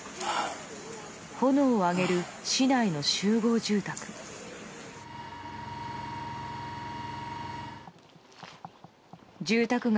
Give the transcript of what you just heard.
炎を上げる市内の集合住宅。